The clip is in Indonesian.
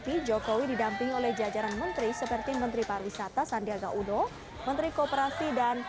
presiden jokowi di breathe jajaran menteri seperti menteri pariwisata sandiaga udo menteri koperasi dan